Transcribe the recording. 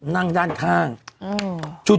นั่งด้านข้าง